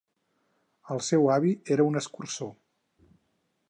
El seu avi era un escurçó.